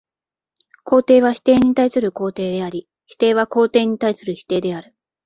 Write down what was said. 肯定は否定に対する肯定であり、否定は肯定に対する否定である。